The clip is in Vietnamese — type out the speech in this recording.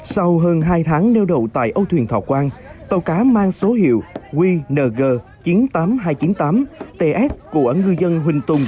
sau hơn hai tháng neo đậu tại âu thuyền thọ quang tàu cá mang số hiệu qng chín mươi tám nghìn hai trăm chín mươi tám ts của ngư dân huỳnh tùng